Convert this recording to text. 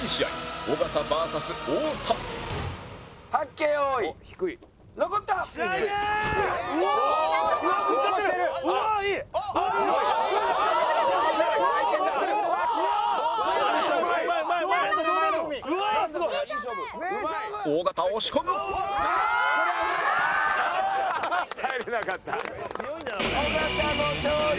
尾形の勝利！